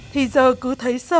thì giờ cứ thấy sơ